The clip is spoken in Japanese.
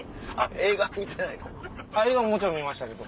映画ももちろん見ましたけど。